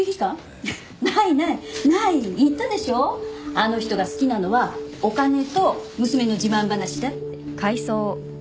あの人が好きなのはお金と娘の自慢話だって。